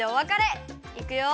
いくよ！